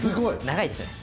長いですよね。